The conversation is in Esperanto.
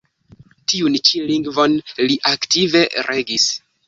Tiun ĉi lingvon li aktive regis.